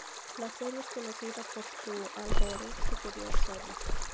La serie es conocida por su-al-gore superior sobre.